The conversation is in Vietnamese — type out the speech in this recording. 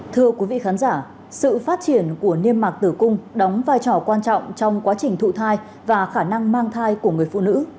thưa quý vị khán giả sự phát triển của niêm mạc tử cung đóng vai trò quan trọng trong quá trình thụ thai và khả năng mang thai của người phụ nữ